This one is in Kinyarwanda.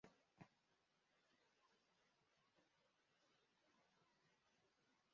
Umukobwa ukiri muto wambaye ikoti ry'umutuku n'umugabo